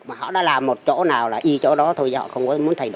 mà họ đã làm một chỗ nào là y chỗ đó thôi họ không có muốn thay đổi